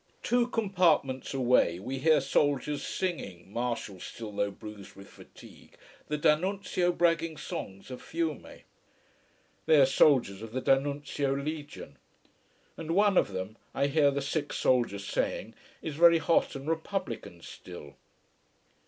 Two compartments away we hear soldiers singing, martial still though bruised with fatigue, the D'Annunzio bragging songs of Fiume. They are soldiers of the D'Annunzio legion. And one of them, I hear the sick soldier saying, is very hot and republican still.